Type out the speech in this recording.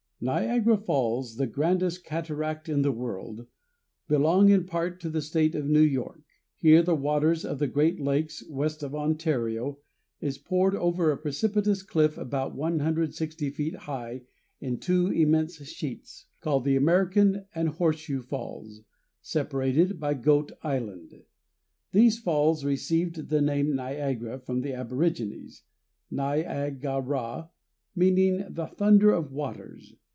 Niagara Falls, the grandest cataract in the world, belong in part to the state of New York. Here the water of the great lakes, west of Ontario, is poured over a precipitous cliff about 160 feet high in two immense sheets, called the American and Horseshoe falls, separated by Goat Island. These falls received the name Niagara from the aborigines, Ni a ga ra meaning the "thunder of waters."